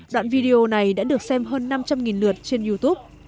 đoạn video này đã được xem hơn năm trăm linh lượt trên youtube